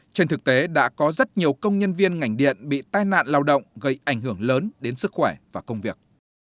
trên thực tế đã có rất nhiều công nhân viên ngành điện bị tai nạn lao động gây ảnh hưởng lớn đến sức khỏe và công việc